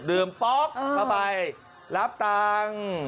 ป๊อกเข้าไปรับตังค์